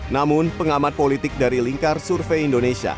namun pengamat politik dari lingkar survei indonesia